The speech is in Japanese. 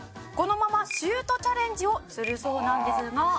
「このままシュートチャレンジをするそうなんですが」